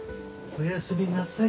おやすみなさい。